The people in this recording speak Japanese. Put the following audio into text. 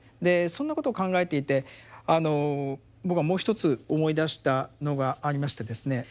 そんなことを考えていて僕はもう一つ思い出したのがありましてですね。